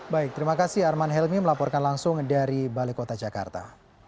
baik terima kasih arman helmi melaporkan langsung dari balai kota jakarta